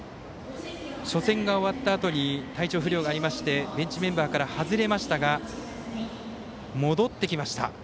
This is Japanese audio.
初戦が終わったあとに体調不良がありましてベンチメンバーから外れましたが戻ってきました。